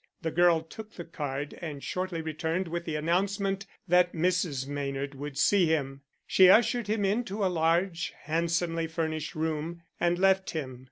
The girl took the card, and shortly returned with the announcement that Mrs. Maynard would see him. She ushered him into a large, handsomely furnished room and left him.